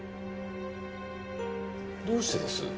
どうしてです？